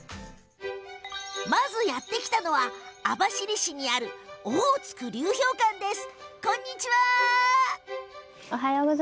まずやって来たのは網走市にある、こちらオホーツク流氷館です。